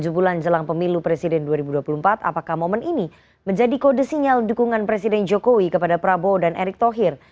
tujuh bulan jelang pemilu presiden dua ribu dua puluh empat apakah momen ini menjadi kode sinyal dukungan presiden jokowi kepada prabowo dan erick thohir